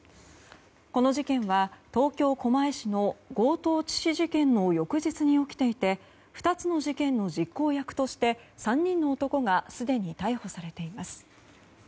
この事件は、東京・狛江市の強盗致死事件の翌日に起きていて２つの事件の実行役として３人の男がすでに逮捕されています。